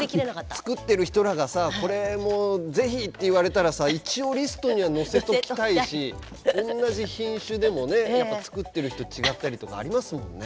作ってる人らがさこれも是非って言われたらさ一応リストには載せときたいし同じ品種でもねやっぱ作ってる人違ったりとかありますもんね。